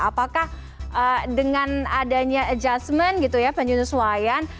apakah dengan adanya adjustment gitu ya penyesuaian